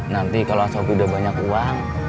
nanti kalau sopi udah banyak uang